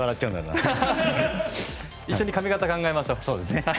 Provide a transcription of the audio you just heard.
そうですね。